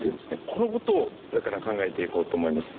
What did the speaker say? このことをこれから考えていこうと思います。